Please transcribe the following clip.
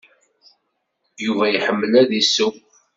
Yuba iḥemmel ad isew.